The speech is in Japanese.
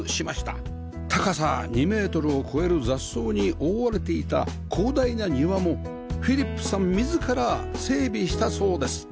高さ２メートルを超える雑草に覆われていた広大な庭もフィリップさん自ら整備したそうです